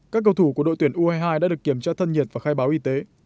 các cầu thủ của đội tuyển u hai mươi hai đã được kiểm tra thân nhiệt và khai báo y tế